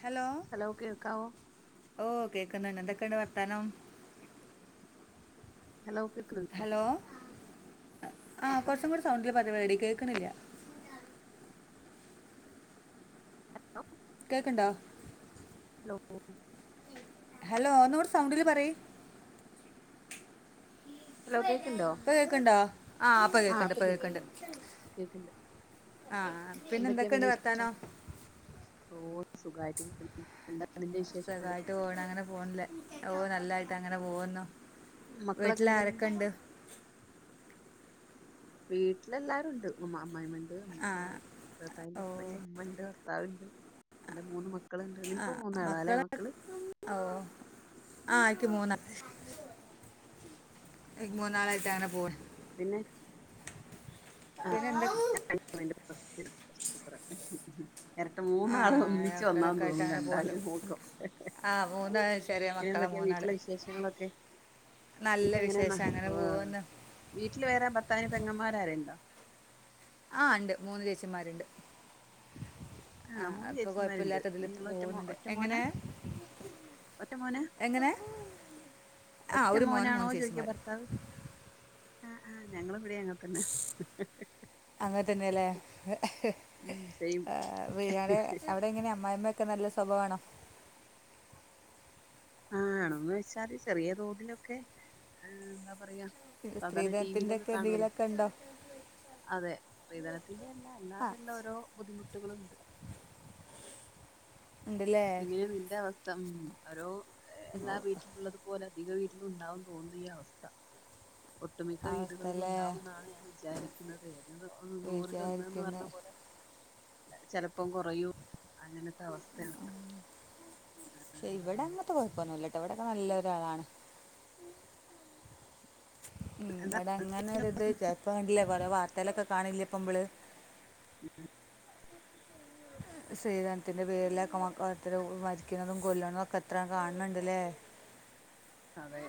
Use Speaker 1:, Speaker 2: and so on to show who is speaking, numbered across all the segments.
Speaker 1: Hello ഓ ക്കെകുന്നു എന്ത എണ് വർത്താനം
Speaker 2: ഹലോ കേക് നുണ്ടോ
Speaker 1: ആഹ് കുറച്ചും കൂടി സൗണ്ട പതുപടി കേൾക്കുന്നില്ല കേക്കണ്ടാ
Speaker 2: ലകോ
Speaker 1: ഹലോ ഒന്ന്വിടെ സൗണ്ടില് പറ
Speaker 2: ഹലോ കേൾക്കുണ്ടോ
Speaker 1: പഴക്കണ്ടോ ആഹ് പക
Speaker 2: ആ
Speaker 1: കേക്കണ്ട്
Speaker 2: ഇപ്പൊ
Speaker 1: പതുക്കുണ്ട്
Speaker 2: കേൾക്കുന്നുണ്ട് കേൾക്കുന്നുണ്ട്
Speaker 1: ആഹ പിന്നെ എന്തൊക്കെയുണ്ട് വർത്താനോ
Speaker 2: സുഖമായിട്ടിരിക്ക
Speaker 1: സുഖമായിട്ട് പോണം അങ്ങനെ പോണില്ലേ ഓ നല്ലായിട്ട് അങ്ങനെ പോുന്നുോ
Speaker 2: മക്കളൊക്കെ
Speaker 1: വീട്ടില്
Speaker 2: എന്താ
Speaker 1: ആരൊക്കെ ഇണ്ട്
Speaker 2: വീട്ടിലെല്ലരുുംണ്ട് ഉ്മാമ്മാ വണ്ട
Speaker 1: ആ
Speaker 2: പ്രതാവിന്റെ
Speaker 1: ഓ
Speaker 2: ഉപ്പണ്ട് ഉമ്മ ഉണ്ട് ഭർത്താവ്ണ്ട് എന്റെ മൂന്ന് മത്തം
Speaker 1: ആ മക്കള ഓ ആ ആയിക്ക് മൂന്ന എ മൂന്ന് നാളായിയിട്ടാങ്ങനെ പോവ
Speaker 2: പിന്നെ ആ
Speaker 1: പിന്നെ എന്താ
Speaker 2: ഉം ഇരട്ട
Speaker 1: ആ
Speaker 2: മൂന്നാള ഒന്നിച്ചു വന്നാ
Speaker 1: മക്കളൊക്കെ ആയിട്ട്
Speaker 2: തോന്നും
Speaker 1: അങ്ങനെ
Speaker 2: കണ്ടാാല
Speaker 1: പോകുന്നു
Speaker 2: നോക്കോ
Speaker 1: ആ മൂന്ന് ചെറിയ
Speaker 2: പിന്നെ
Speaker 1: മക്കളാ
Speaker 2: എന്തൊക്കെയ
Speaker 1: മൂന്നാള്
Speaker 2: വീട്ടിലെ വിശേഷങ്ങളൊക്കെ
Speaker 1: നല്ല
Speaker 2: എനക്ക് എങ്ങനെ
Speaker 1: വിശേഷം അങ്ങനെ പോകുന്നു
Speaker 2: വീട്ടിൽ വേറെ ബത്താാന പെങ്ങന്മാരരുുണ്ടോ
Speaker 1: ആ ഉണ്ട് മൂന്ന് ചേച്ചിന്മാരുണ്ട്
Speaker 2: ആണോ
Speaker 1: ആഹ
Speaker 2: മൂന്ന്
Speaker 1: അപ്പൊ
Speaker 2: ചേച്ചിമാരുണ്ട്
Speaker 1: കൊഴപ്പില്ലാത്തതിൽ
Speaker 2: നിങ്ങൾ ഒറ്റ മോ
Speaker 1: പോകുന്നുണ്ട്
Speaker 2: ഒറ്റ മോനാ
Speaker 1: എങ്ങനെ
Speaker 2: ഒറ്റ മോനാ
Speaker 1: എങ്ങനെ ആ
Speaker 2: ഒറ്റ
Speaker 1: ഒരു മോനും മൂന്ന ശേഷിമാര്
Speaker 2: ആഹ ആഹ് ഞങ്ങ ഇവിടെ അങ്ങ തന്നെ
Speaker 1: അങ്ങന
Speaker 2: ഉം സെയിം
Speaker 1: തന്നെയല്ലേടെ അവിടെ എങ്ങനെ അമ്മായിമ്മ ഒക്കെ നല്ല സ്വഭമാണോ
Speaker 2: ആണന്ന് വെച്ചാല് ചെറിയ തോതിലൊക്കെ എന്താ പറയാ സാധാരണ ടി
Speaker 1: സ്ത്രീധനത്തിന്റെ
Speaker 2: വിയിലൊക്കെ
Speaker 1: ഒക്കെ
Speaker 2: കാണൂലേ
Speaker 1: നീലൊക്കെ ഇണ്ടോ
Speaker 2: താ അതില്ല അല്ലാതെല്ല ഓരോ ബുദ്ധിമുട്ടുകളുംുണ്ട്
Speaker 1: ഉണ്ടല്ലേ
Speaker 2: എങ്ങനെ നിന്റെ അവസ്ഥ അോ
Speaker 1: ഓ,
Speaker 2: എല്ലാ വീട്ടിലുള്ളത് പോോലെ അധിക അുണ്ടാവൻ തോന്നിയ അവസ്ഥ ഒട്ടുമിക്ക
Speaker 1: അവസ്ഥ
Speaker 2: വീടുകളിൽ
Speaker 1: അല്ലേ
Speaker 2: ഉണ്ടാവുന്നാണ് ഞാൻ വിചാരിക്കുന്നത് ഏ നൂറൽ ഒന്ന്ന്ന് പറഞ്ഞ
Speaker 1: വിചാരിക്കുന്നത്
Speaker 2: പോലെ ചെിലപ്പോം കുറയൂ അങ്ങനത്തെ അവസ്ഥയാണ് എന്താ
Speaker 1: ഇവിടെ
Speaker 2: പറയാ
Speaker 1: അങ്ങത്തെ കുഴപ്പൊന്നല്ലട്ടോ ഇവിടെൊക്കെ നല്ല ത്താളാണ്. ഉം
Speaker 2: എന്താ
Speaker 1: ഇവ്ടെ അങ്ങനെ ഒരിത് [unintelligible] കൊറെ വാർത് തെലൊക്കെ കാണില്ലപ്പംമ്മള്?
Speaker 2: [unintelligible]
Speaker 1: സ്രീധനത്തിന്റെ പേരിലക്കെ മക്കൾഎത്ര മരിക്കുന്നതും കൊല്ലണതൊക്കെ എത്ര കാൺണ്ടല്ലേ?
Speaker 2: അതെ.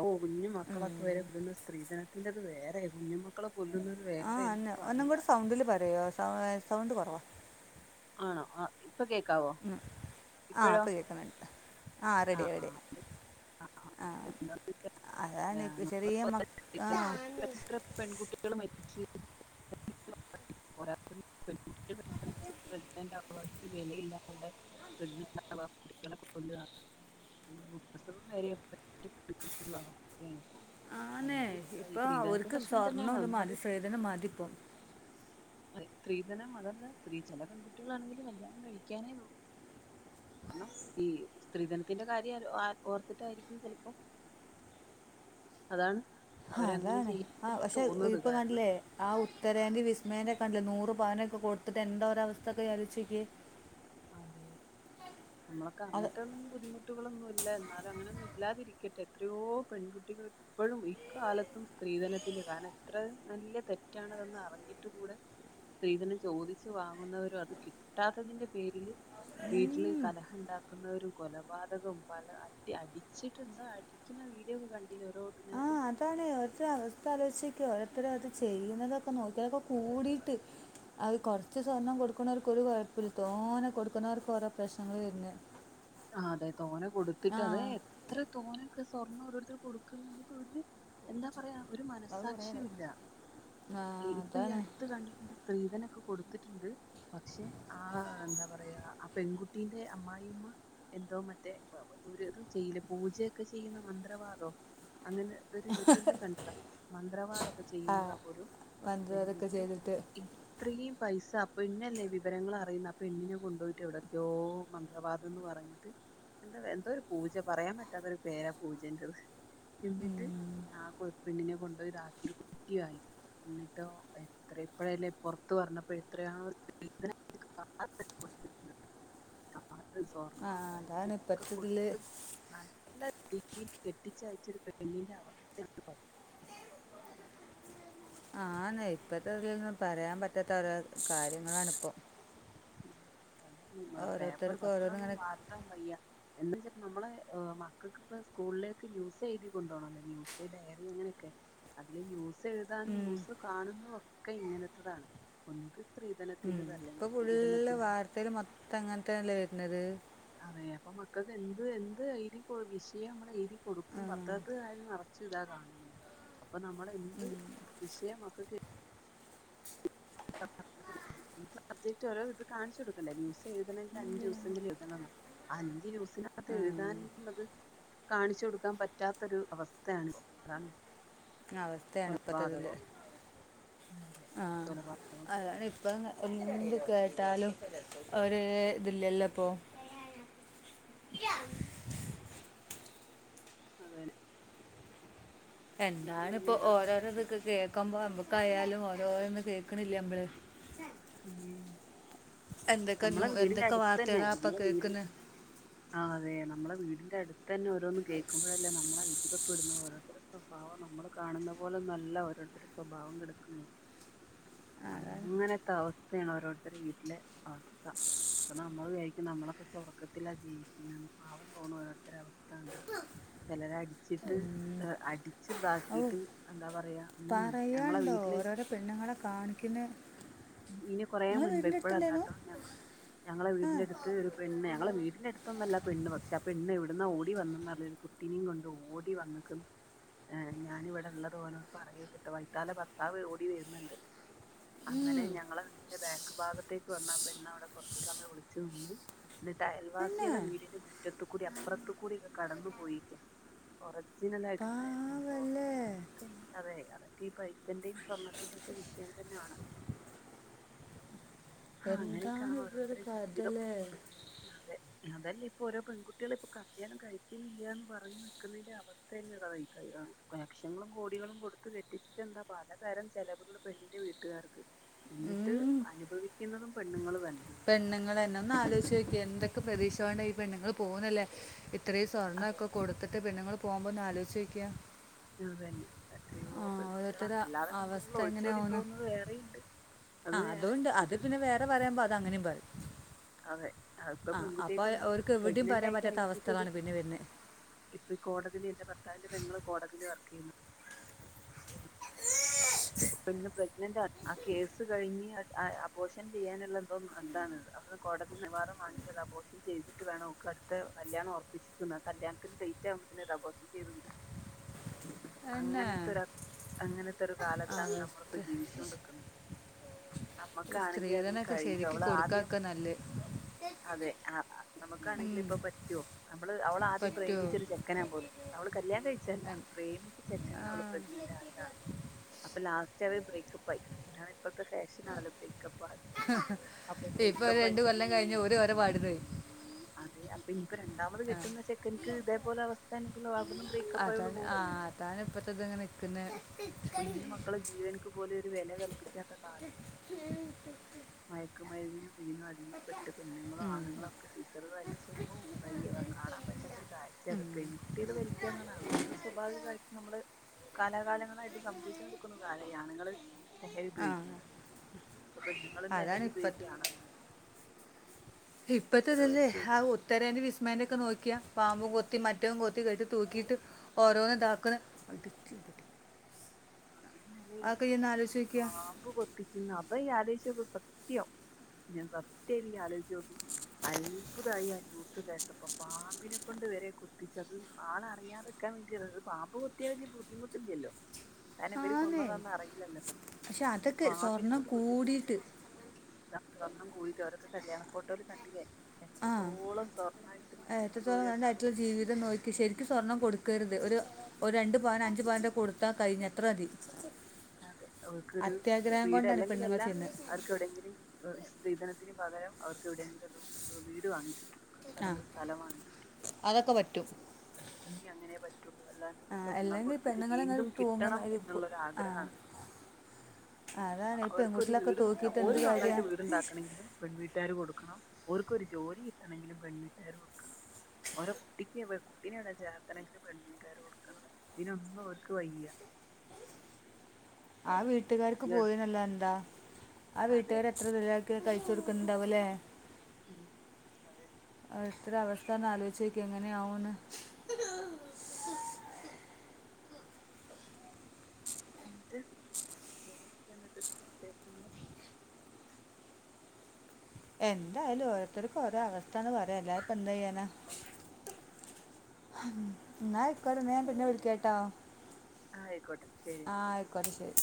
Speaker 2: ഓ കുഞ്ഞു
Speaker 1: ഉം.
Speaker 2: മക്കളൊക്കെവരെ [unintelligible] സ്ത്രീധന അതിന്റെത് വേറെ കുഞ്ഞ് മക്കളു
Speaker 1: ആ ന്നെ ഒന്നുംകൂടെ സൗണ്ടില് പറയോ സൗ സൗണ്ട് കുറവാ.
Speaker 2: ആണോ ആ ഇപ്പൊ കേക്കാവോ
Speaker 1: ഉം ആ
Speaker 2: ഇപ്പോഴോ
Speaker 1: ഇപ്പ കേക്കുന്ന്‌ണ്ട്, ആ റെഡിയായ്
Speaker 2: ആ
Speaker 1: റെഡിയായ്
Speaker 2: അത്
Speaker 1: ആ അതാണ് ചെറിയ മ ആ
Speaker 2: എത്ര പെൺകുട്ടികൾ [inaudible] [inaudible]
Speaker 1: ആന്നെ
Speaker 2: അതായത്
Speaker 1: ഇപ്പ
Speaker 2: സ്ത്രീധനത്തിന്റെ
Speaker 1: ഓര്ക്ക്
Speaker 2: പ്രശ്നം തന്നെയാണ്
Speaker 1: സ്വർണം ഇത്
Speaker 2: ഒന്നാമത്
Speaker 1: മതി സ്രീധനം മതി ഇപ്പം.
Speaker 2: സ്ത്രീധനം അതല്ല സ്ത്രീ ചെല പെൺകുട്ടികളാണെങ്കിലും കല്യാണം കഴിക്കാനേ പോക് കാരണം ഈ സ്ത്രീധനത്തിന്റെ കാര്യം ആ ഓർത്തിട്ടായിരിക്കും ചെലപ്പോ അതാണ്. അവരങ്ങനെ
Speaker 1: ഹതാണ് ആ
Speaker 2: ചെയ്യാൻ
Speaker 1: പശെ
Speaker 2: തോന്നുന്നത്
Speaker 1: ഇപ്പ
Speaker 2: കാരണം
Speaker 1: കണ്ടില്ലേ ആ ഉത്തരേന്റെ വിസ്മയെന്റെ ല്ലേ നൂറ് പവനൊക്കെ കൊടുത്തിട്ട് എന്താ ഒരവസ്ഥൊക്കെയ്ലോച്ച് നോയ്ക്കേ.
Speaker 2: ഉം നമ്മളൊക്കെ
Speaker 1: അത്
Speaker 2: അങ്ങനത്തെ ബുധിമുട്ട് ട്ടുകാളൊന്നുല്ല എന്നാലും അങ്ങനെയൊന്നും ഇല്ലാതിരിക്കട്ടെ, എത്രയോ പെൺകുട്ടികൾ ഇപ്പഴും ഇക്കാലത്തും സ്ത്രീധനത്തിന്റെ കാരണം എത്ര വെല്ല്യ തെറ്റാണതെന്ന് അറിഞ്ഞിട്ട് കൂടെ സ്ത്രീധനം ചോദിച്ചു വാങ്ങുന്നവരോ അത് കിട്ടാത്തതിന്റെ പേരില് വീട്ടില് കലഹ ഉണ്ടാക്കുന്നവരും കൊലപാതകം പല അടി അടിച്ചിട്ടുണ്ട് അടിക്കുന്ന വീഡിയൊക്കെ കണ്ടില്ലേ ഓരോ
Speaker 1: ആ
Speaker 2: ഇതിനാത്?
Speaker 1: അതാണ് ഓരോത്തരടെ അവസ്ഥലോച് ഓരോരുതാരോത്തർ ചെയ്യുന്നതൊക്കെ നോക്കിയാല കൂടിട്ട് അ കൊറച്ച് സ്വർണം കൊടുക്കുന്നവർക്ക് ഒരു കൊഴപ്പില്ല തോനെ കൊടുക്കുന്നവർക്ക് ഓരോ പ്രശ്നങ്ങൾ വരുന്നേ
Speaker 2: അതെ തോനെ കൊടുത്തിട്ട് അത് എത്ര തോനെ സ്വർണ്ണം ഓരോരുത്തർ കൊടുക്ക്ന്ന്‌ എന്നിട്ട് ഒര് എന്താ പറയാ ഒരു
Speaker 1: അത് കുറേ
Speaker 2: മനസാക്ഷിയും
Speaker 1: ആയി.
Speaker 2: ഇല്ല
Speaker 1: ആ
Speaker 2: ഇ ഇപ്പ ഈ
Speaker 1: അതാണ്
Speaker 2: അടുത്ത് കണ്ടിട്ടു സ്ത്രീധനൊക്കെ കൊടുത്തിട്ടുണ്ട് പക്ഷെ ആ എന്താ പറയാ ആ പെൺകുട്ടീന്റെ അമ്മായിമ്മ എന്തോ മറ്റേ ഇത് ചെയ്യിലേ പൂജയൊക്കെ ചെയ്യുന്ന മന്ത്രവാദോ? അങ്ങനെ ഒരു യൂട്യൂബിൽ കണ്ടത മന്ത്രവാദോക്കെ
Speaker 1: ആ
Speaker 2: ചെയ്യുന്നതാ പോലും
Speaker 1: വന്നത് അതൊക്കെ
Speaker 2: എന്നിട്ട്
Speaker 1: ചെയ്തിട്ട്
Speaker 2: ഇത്രയും പൈസ പിന്നല്ലേ വിവരങ്ങൾ അറിയുന്നേ ആ പെണ്ണിനെ കൊണ്ടുപോയിട്ട് എവിടൊക്കെയോ മന്ത്രവാദം ന്ന് പറഞ്ഞിട്ട് എന്താ എന്തോ ഒരു പൂജ പറയാൻ പറ്റാത്ത ഒരു പേരാ പൂജെന്റേത്,
Speaker 1: ഉം.
Speaker 2: എന്നിട്ട് ആ കൊ പെണ്ണിനെ കൊണ്ടോയി [unintelligible] കുട്ടിയയി, എന്നിട്ടോ എത്ര എപ്പഴല്ലേ പൊറത്ത് പറഞ്ഞപ്പോ എത്രയാ [unintelligible] ത്
Speaker 1: ആ
Speaker 2: സ്വർണ്ണം
Speaker 1: അതാണ്
Speaker 2: പൈസൊക്കെ
Speaker 1: ഇപ്പത്തതില്
Speaker 2: കൊടുത്ത് നൽ ല്ല രീതിൽ കെട്ടിച്ചയചൊരു പെണ്ണിന്റെ അവസ്ഥയാണ് പറ
Speaker 1: ആന്നെ ഇപ്പത്തെ ഇതിൽന്നും പറയാൻ പറ്റാത്ത ഓരോ കാര്യങ്ങളാണിപ്പോ.
Speaker 2: [unintelligible] പേപ്പർ
Speaker 1: ഓരോന്നും
Speaker 2: പത്രൊന്നും
Speaker 1: ഇങ്ങനെ
Speaker 2: വാർത്താൻ വയ്യ എന്താെച്ച നമ്മളെ മക്കക്ക്പ്പ സ്കൂളിലേക്ക് ന്യൂസ് എഴുതി കൊണ്ടുപോണെല്ലേ ന്യൂസ് ഡയറി അങ്ങനൊക്കെ അതില് ന്യൂസ് ന്യൂസ് എഴുതാനും
Speaker 1: ഉം,
Speaker 2: ന്യൂസ് കാണുന്ന ഒക് ഒക്കെ ഇങ്ങനത്തതാണ് ഒന്നക്ക്
Speaker 1: ഉം.
Speaker 2: സ്ത്രീധനത്തിൻന്റെതല്ലേ
Speaker 1: ഇപ്പൊ ഫുള്ള് വാർത്തെല് മൊത്തം അങ്ങനത്താണല്ലേ വരുന്നത്
Speaker 2: അതെ അപ്പൊ മക്കക്ക് എന്ത് എന്ത് എഴ്തി കൊട് വിഷയം നമ്മൾ എഴ്തി കൊടുക്കും
Speaker 1: ഉം.
Speaker 2: പത്തത് കാര് നിറച്ച് ഇതാ കാണുന്നത് അപ്പൊ നമ്മള് എന്ത് വിഷയ മക്കക്ക് [inaudible] സബ്ജക്ട് ഓരോ ഇത് കാണിച്ചു കൊടുക്കണ്ടേ ന്യൂസ് എഴുതണങ്കിൽ അഞ്ചു ദൂസങ്കിലുംഎഴുതണൊന്ന ആ അഞ്ചു ന്യൂസിനകത്ത് എഴുതാനുള്ളത് കാണിച്ചു കൊടുക്കാൻ പറ്റാത്തൊര് അവസ്ഥയാണ് പൊ
Speaker 1: അവസ്ഥയാണ് ഇപ്പത്തതില്
Speaker 2: അതെ
Speaker 1: ആ
Speaker 2: കൊലപാതകം
Speaker 1: അതാണ്
Speaker 2: സ്ത്രീധനം
Speaker 1: ഇപ്പ എന്ത് കേട്ടാ ഹലോ ഒര് ദില്ലില്ല പോ
Speaker 2: അതെനെ
Speaker 1: എന്താണ് ഇപ്പോ ഓരോരോതക്കെ കേക്കുമ്പോ നമ്മുക്ക് കയാലും ഓരോന്നും കേക്കണില്ലേ നമ്മള്
Speaker 2: ഉം
Speaker 1: എന്തക്കനൂ
Speaker 2: നമ്മളെ വീടിന്റെ
Speaker 1: എന്തക്ക
Speaker 2: അടുത്ത് തന്നെ
Speaker 1: വാർത്തകള ഇപ്പൊ
Speaker 2: നമ്മളെ വീട്
Speaker 1: കേക്ക്ന്നെ
Speaker 2: ആ അതെ നമ്മള വീടിന്റെ അടുത്ത് തന്നെ ഓരോന്നും കേൾക്കുമ്പോഴല്ലേ നമ്മള അത്ഭുതപ്പെടുന്ന ഓരോരുത്തരു സ്വഭാവം നമ്മൾ കാണുന്ന പോലെന്നല്ല ഓരോരുത്തരു സ്വഭാവം കിടക്കുന്നത്
Speaker 1: അതാണ്
Speaker 2: അങ്ങനെ ത അവസ്ഥയാണ് ഓരോരുത്തരു വീട്ടിലെ അവസ്ഥ അപ്പൊ നമ്മള് വിചാരിക്കും നമ്മളൊക്കെ സ്വർഗ്ഗത്തിലാ ജീവിക്കുന്നെന്ന് പാവം തോന്നും ഓരോരുത്തര അവസ്ഥ കണ്ട ചിലര അടിച്ചിട്ട് അടിച്ചു
Speaker 1: ഓ
Speaker 2: ഇതാക്കിട്ട് എന്താ പറ
Speaker 1: പറയാണ്ടോ ഓരോരോ പെണ്ണുങ്ങളെ കാണിക്കുന്നേ
Speaker 2: ഇനി കൊറേ മുൻപ് ഇപ്പോഴല്ലാട്ടോ ഞങ്ങള് ഞങ്ങളെ
Speaker 1: ആ
Speaker 2: വീടിന്റെ അടുത്ത് ഒരു പെണ്ണ് ഞങ്ങള വീടിന്റെ അടുത്തൊന്നല്ല പെണ്ണ് പക്ഷെ അപ്പ പെണ്ണ് എവിടുന്ന ഓടി വന്നന്ന് അറിയില്ല ഒരു കുട്ടിനെയും കൊണ്ട് ഓടി വന്നേക്കണ് ഞാന് ഇവിടെള്ളത് ഓനോട് പറയരുതേട്ടോ വൈത്താല ഭർത്താവ് ഓടി വരന്നണ്ട് അങ്ങനെ ഞങ്ങളെ വീടിന്റെ ബാക്ക് ഭാഗത്തേക്ക് വന്ന പെണ്ണവിടെ കുറച്ച് സമയം ഒളിച്ച് നിന്ന് എന്നിട്ട്
Speaker 1: എന്നാ
Speaker 2: അയൽവാസികള വീടിന്റെ മുറ്റത്ത കൂടി അപ്പുറത്ത കൂടി ഒക്കെ കടന്നു പോയിരിക്ക ഒറിജിനൽ ആയിട്ടുണ്ടായ സംഭവം
Speaker 1: പാവല്ലേ
Speaker 2: അതക്കെ അതെ അതൊക്കെ ഈ പൈസന്റെയും സ്വർണ്ണത്തിന്റെ ഒക്കെ വിഷയം തന്നെയാണ് ആ
Speaker 1: എന്താണ്
Speaker 2: അങ്ങനെയൊക്കെയാണ്
Speaker 1: ഇവിടെടെ
Speaker 2: ഓരോരുത്തരുടെ
Speaker 1: കദ
Speaker 2: ജീവിതം
Speaker 1: ല്ലേ
Speaker 2: അതെ അതല്ലേ ഇപ്പൊ ഓരോ പെൺകുട്ടികൾ ഇപ്പൊ കല്യാണം കഴിക്കുന്നില്ലന്ന് പറഞ്ഞു നിക്കുന്നതിന്റെ അവസ്ഥ തന്നെ ഈ ലക്ഷങ്ങളും കോടികളും കൊടുത്ത കെട്ടിച്ചിട്ട എന്താ പലതരം ചെലവുകള് പെണ്ണിന്റെ വീട്ട്കാർക്ക് എന്നിട്ട് അനുഭവിക്കുന്നതും പെണ്ണുങ്ങള് തന്നെ
Speaker 1: പെണ്ണങ്ങള് തന്നെ ഒന്ന് ആലോച്ച് നോക്കിയേ എന്തൊക്‌ പ്രതീക്ഷവേണ്ട ഈ പെണ്ണുങ്ങള് പോകുന്നില്ലേ ഇത്രയും സ്വർണ്ണം
Speaker 2: അതെ
Speaker 1: ഒക്കെ കൊടുത്തിട്ട് പെണ്ണുങ്ങള് പോകുമ്പോ ഒന്ന് ആലോച്ചോക്കിയേ
Speaker 2: അതന്നെ എത്രയോ പെൺകുട്ടികളാ
Speaker 1: ഓരോരുത്തരുടെ
Speaker 2: അല്ലാതെ
Speaker 1: അവസ്ഥ
Speaker 2: പെൺകുട്ടികള് ഒളിച്ചോടി
Speaker 1: എങ്ങനെയാവുന്നു
Speaker 2: പോകുന്നത് വേറെയിണ്ട്
Speaker 1: ആ
Speaker 2: അത് വേറെ
Speaker 1: അതുകൊണ്ട് അത്
Speaker 2: ഇത്
Speaker 1: പിന്നെ വേറെ [unintelligible]
Speaker 2: അതെ അ ഇപ്പൊ
Speaker 1: ആ
Speaker 2: പെൺകുട്ടിയക്ക്
Speaker 1: അപ്പോൾ
Speaker 2: ഒന്നും
Speaker 1: അവർക്ക് എവിടെയും
Speaker 2: പ്രഗ്നന്റ്
Speaker 1: പറയാൻ
Speaker 2: ആയി
Speaker 1: പറ്റാത്ത
Speaker 2: കഴിഞ്ഞിട്ടത്
Speaker 1: അവസ്ഥകളാണ് പിന്നെ വരുന്നത്
Speaker 2: ഇപ്പൊ ഈ കോടതില് എന്റെ ഭർത്തവിന്റെ പെങ്ങള് കോടതിയില് വർക്ക് ചെയ്യുന്ന പെണ്ണ് പ്രഗ്നന്റ്ണ് ആ കേസ് കഴിഞ്ഞ് അത് അബോഷൻ ചെയ്യാനുള്ള എന്തോ എന്താണ് അത് അവിന്ന് കോടതിന്ന് നിവാദം വാങ്ങി അത് അബോഷൻ ചെയ്തിട്ട് വേണം ഓക്ക് അടുത്ത കല്യാണം ഉറപ്പിച്ചിരിക്കുന്നേ കല്യാണത്തിന് ഡേറ്റ് ആവുമ്പതേക്ക് അബോഷൻ ചെയ്ത് കിട്ടണം
Speaker 1: എന്നെ
Speaker 2: അങ്ങനെത്തൊര അങ്ങനത്തെ ഒരു കാലത്ത് താ ണ്
Speaker 1: അവസ്ഥ
Speaker 2: നമ്മളിപ്പോ ജീവിച്ചോണ്ട്ക്ക്‌ന്നെ അമ്മക് ക്കാണെങ്കി അതിന്
Speaker 1: സ്ത്രീധനമൊക്കെ
Speaker 2: കഴിയോ
Speaker 1: ശരിക്ക്
Speaker 2: അവള ആദ്യം
Speaker 1: കൊടുക്കാക്ക നല്ല
Speaker 2: അതെ ആ നമുക്കാണെങ്കിൽ ഇപ്പ പറ്റോ നമ്മള് അവള് ആദ്യം
Speaker 1: പറ്റുമോ
Speaker 2: പ്രേമിച്ചരു ചെക്കനാ പോലും അവള് കല്യാണം കഴിച്ചല്ല പ്രേമിച്ച ചെക്കൻ
Speaker 1: ആ
Speaker 2: അവള് പ്രഗ്നന്റ് ആയതാണ് ലാസ്റ്റ് അവര് ബ്രേക്കപ്പയി ആണ് പ്പഴത്തെ ഫാഷനാണല്ലോ ബ്രേക്കപ്പ്
Speaker 1: ഇപ്പൊ ഒര് രണ്ട് കൊല്ലം കഴിഞ്ഞു ഒരു ഓര പാടിന് പോയി
Speaker 2: പെഞ്ഞി പ്പ രണ്ടാമത് കെട്ടന്ന് വെച്ചെ ക്കെൻക്ക് തേപോല അവസ്ഥ [unintelligible] ആയോള്
Speaker 1: അതാണ്
Speaker 2: പോവും
Speaker 1: ആ അതാണ് ഇപ്പത്തെത് ങ്ങെനെ നിക്കുന്നേ
Speaker 2: കുഞ്ഞു മക്കളെ ജീവനക്ക് പോലെ വില കൽപ്പിക്കാത്ത കാലം ആയി [unintelligible] റ്റ് പെണ്ണുങ്ങളു ആണുങ്ങാളൊക്കെ സിസറ് വലി ശുഭവും വയ്യ കാണാൻ പറ്റാത്ത ഒരു കാഴ്ചയ പെൺകുട്ടികള് വലിക്കാന്നർഞാ ആൺകുട്ടിള് സ്വാഭാവികമായിട്ട് നമ്മള് കലാകാലങ്ങളായിട്ട് സം [unintelligible] ആണ്ങ്ങള് ലഹരി
Speaker 1: ആ
Speaker 2: ഉപയോഗിക്കുന്നത് പ്പ പെണ്ണങ്ങളും ലഹരി ഉപയോഗിക്കയാണല്ലോ
Speaker 1: ഇപ്പത്തെതല്ലേ ആ
Speaker 2: വലിക്കായിട്ട്
Speaker 1: ഉത്തരേറെ വിസ്മന്റെ ഒക്കെ നോക്കിയാ പാമ്പും കൊത്തി മറ്റവും കൊത്തി കെട്ടി തൂക്കിയിട്ട് ഓരോന്ന് താക്കണ്
Speaker 2: അതന്നെല്ലേ
Speaker 1: ആഒക്കെ യൊന്ന് ആലോയിച്ചോക്യാ
Speaker 2: ഇന്ന അപ്പ ഇയ്യ് ആലോയിചോക് സത്യം ന്നെ സത്യയായിട്ട് ഇജ്ജ് ആലോയിച്ചോക് നക്കക്ക് അത്ഭുതായാഞ് ആ ന്യുസ് കേട്ടപ്പൊ പാമ്പിനെ കൊണ്ട് വരെ കൊത്തിച്ചത് ആളറിയാതെക്കാൻ വേണ്ടി അത് പാമ്പ് കൊത്തിയാ വലിയ ബുദ്ധിമുട്ടില്ലല്ലോ കാരണം ഇവര്
Speaker 1: ആന്നേ
Speaker 2: കൊന്നതന്ന അറിയില്ലല്ലോ
Speaker 1: പക്ഷെ
Speaker 2: എന്നിട്ട്
Speaker 1: അതൊക്കെ
Speaker 2: പാമ്പിനെ
Speaker 1: സ്വർണം കൂടിട്ട്
Speaker 2: സ്വണ്ണം കൂയിട്ട് അവരൊക്കെ കല്യാണ ഫോട്ടോല് കണ്ടില്ലേ
Speaker 1: ആ
Speaker 2: എത്രത്തോളം സ്വർണ്ണായിട്ട് നിക്കുന്നത് ഓര്
Speaker 1: എത്രത്തോളം
Speaker 2: രണ്ടാളും
Speaker 1: [unintelligible] ജീവിതം നോക്കി ശരിക്കും സ്വർണ്ണം കൊടുക്കരു ത് ഒരു ഒരു രണ്ട് പവന് അഞ്ചു പവന്റെ കൊടുത്ത കഴിഞ്ഞ അത്ര മതി
Speaker 2: അതെ അവർക്കൊരു
Speaker 1: അത്യാഗ്രഹം
Speaker 2: വീട്
Speaker 1: കൊണ്ടാണ് ഈ
Speaker 2: അല്ലെങ്കിലും
Speaker 1: പെണ്ണുങ്ങൾ
Speaker 2: അല്ല
Speaker 1: ചെയ്യുന്നത്
Speaker 2: അവർക്ക് എവിടെങ്കിലും ഒ സ് സ്ത്രീധത്തിന് പകരം അവർക്ക് എവിടെയെങ്കിലും ഒരു വീട് വാങ്ങിച്ചിട്ട്
Speaker 1: ആ
Speaker 2: അല്ലങ്ക് സ്ഥലംവാങ്ങിച്ചിട്ട്
Speaker 1: അതൊക്കെ പറ്റും
Speaker 2: ഇനി അങ്ങനെ പ റ്റുള്ളൂ അല്ലാണ്ട്
Speaker 1: ആ
Speaker 2: സ്വർണം
Speaker 1: അല്ലെങ്കിൽ
Speaker 2: കൊടുത്തിട്ട്
Speaker 1: പെണ്ണുങ്ങളെ ഇങ്ങനെ
Speaker 2: വീണ്ടും
Speaker 1: തൂങ്ങ
Speaker 2: കിട്ടണം എന്നുള്ളര് ആഗ്രഹ
Speaker 1: ആ
Speaker 2: ക്രാ
Speaker 1: അതാണ് ഈ
Speaker 2: അവർക്ക് ഒരു
Speaker 1: പെൺകുട്ടികളൊക്കെ
Speaker 2: വീട്
Speaker 1: തൂക്കിയിട്ട്
Speaker 2: ഓരു
Speaker 1: എന്ത്
Speaker 2: സ്വന്തായിട്ട്
Speaker 1: കാര്യമാണ്
Speaker 2: വീടുണ്ടാക്കണങ്കിലും പെൺവീട്ടാര് കൊടുക്കണം ഓർക്ക് ഒരു ജോലി ട്ടണമങ്കിലും പെൺവീട്ടുകാർ കൊടുക്കണം ഓരോ കുട്ടിക്ക് കുട്ടിനെ ഇടം ചേർത്തണെങ്കിലും പെൺവീട്ടുകാാര് കൊടുക്കണം ഇതിനൊന്ന് അവർക്ക് വയ്യ
Speaker 1: വീ വീട്ടുകാർക്ക്
Speaker 2: ഇത്
Speaker 1: പോയിന്നല്ല എന്താ ആ
Speaker 2: അതെ
Speaker 1: വീട്ടുകാര് എത്ര ദൂരക്കി കഴ ചറക്കുന്നണ്ടാവുലെ
Speaker 2: ഉ അത [unintelligible]
Speaker 1: ഇത്ര അവസ്ഥ ഒന്ന് ആലോചിച്ചുനോക്കിയേ ങ്ങനെയാവുന്നു
Speaker 2: എന്നട്ട വേറെ എന്തെക്കെയാ എന്നട്ട് വിശേഷങ്ങളൾ
Speaker 1: എന്തായാലും ഓരോത്തർക്ക് ഓരോ അവസ്ഥയന്ന് പറയാ അല്ലാതിപ്പോ എന്താ ചെയ്യാനാ എന്നാക്കടന്നോ പിന്നെ വിളിക്ക കേട്ടോ
Speaker 2: ആയിക്കോട്ടെ ശരി
Speaker 1: ആഹ ആയിക്കോട്ട ശരി